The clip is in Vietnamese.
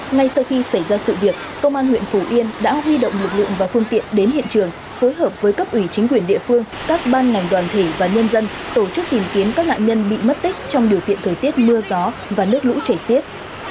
ngay sau khi xảy ra sự việc công an huyện phủ yên đã huy động lực lượng và phương tiện đến hiện trường phối hợp với cấp ủy chính quyền địa phương các ban ngành đoàn thể và nhân dân tổ chức tìm kiếm các nạn nhân bị mất tích trong điều kiện thời tiết mưa gió và nước lũ chảy xiết